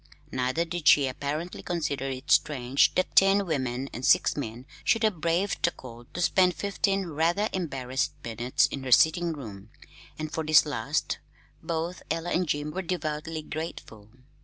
Neither did she apparently consider it strange that ten women and six men should have braved the cold to spend fifteen rather embarrassed minutes in her sitting room and for this last both Ella and Jim were devoutly grateful.